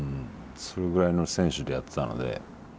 それぐらいの選手でやってたので。